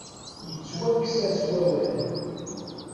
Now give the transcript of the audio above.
Yettwakkes-as wawal.